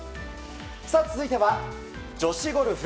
続いては女子ゴルフ。